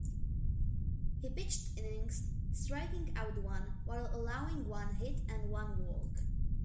He pitched innings, striking out one while allowing one hit and one walk.